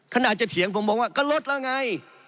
ขนาดจะเถียงผมบอกว่าก็ลดแล้วไง